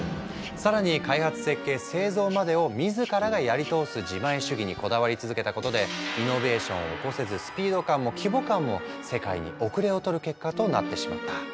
更に開発・設計・製造までを自らがやり通す自前主義にこだわり続けたことでイノベーションを起こせずスピード感も規模感も世界に後れを取る結果となってしまった。